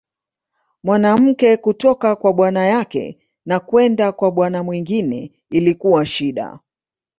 Mwanamke kutoka kwa bwana yake na kwenda kwa bwana mwingine ilikuwa shida.